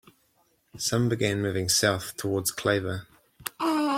Some began moving south toward Claver.